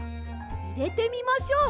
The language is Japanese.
いれてみましょう！